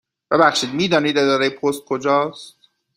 ببخشید، می دانید اداره پست کجا است؟